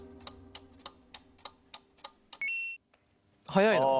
早いな。